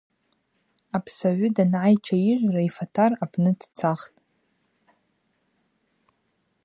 Апсагӏвы дангӏай чайыжвра йфатар апны дцахтӏ.